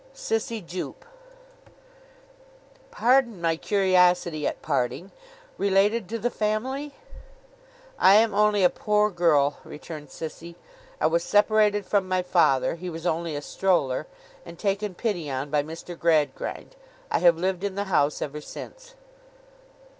'Sissy Jupe.' 'Pardon my curiosity at parting. Related to the family?' 'I am only a poor girl,' returned Sissy. 'I was separated from my father—he was only a stroller—and taken pity on by Mr. Gradgrind. I have lived in the house ever since.